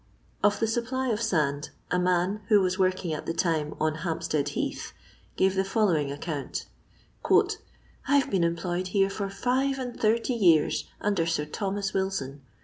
Of the supply of sand, a man, who was working at the time on Hampatead beath, gave the following account :— "I *ve been employed here for five and thirty years, nnder 8ir Thonuu >YiUon.